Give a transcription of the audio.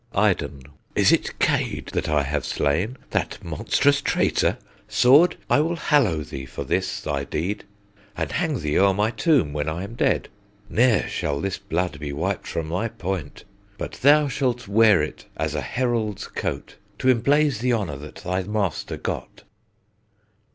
Iden. Is't Cade that I have slain, that monstrous traitor? Sword, I will hallow thee for this thy deed, And hang thee o'er my tomb, when I am dead: Ne'er shall this blood be wipéd from thy point, But thou shalt wear it as a herald's coat, To emblaze the honour that thy master got.